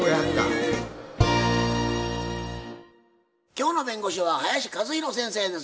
今日の弁護士は林一弘先生です。